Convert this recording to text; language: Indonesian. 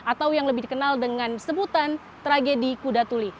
atau yang lebih dikenal dengan sebutan tragedi kuda tuli